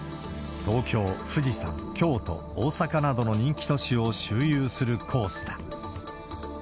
東京、富士山、京都、大阪などの人気都市を周遊するコースだ。